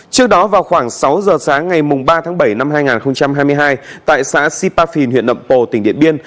trước đó vào khoảng sáu giờ sáng ngày ba tháng bảy năm hai nghìn hai mươi hai tại xã sipafin huyện nậm pồ tỉnh điện biên